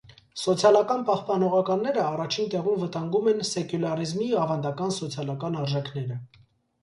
Սոցիալական պահպանողականները առաջին տեղում վտանգում են սեկուլյարիզմի ավանդական սոցիալական արժեքները։